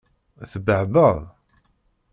Tebbehbaḍ?